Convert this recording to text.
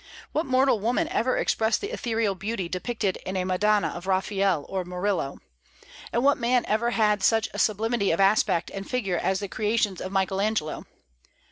What mortal woman ever expressed the ethereal beauty depicted in a Madonna of Raphael or Murillo? And what man ever had such a sublimity of aspect and figure as the creations of Michael Angelo?